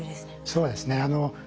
そうですね。